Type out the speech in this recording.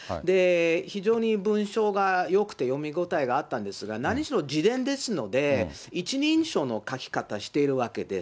非常に文章がよくて読みごたえがあったんですが、なにしろ自伝ですので、一人称の書き方してるわけです。